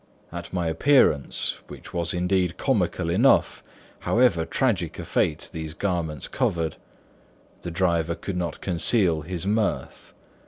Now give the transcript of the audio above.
At my appearance (which was indeed comical enough, however tragic a fate these garments covered) the driver could not conceal his mirth.